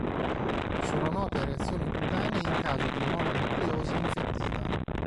Sono note reazioni cutanee in caso di mononucleosi infettiva.